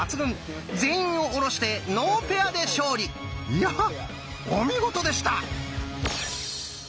いやお見事でした！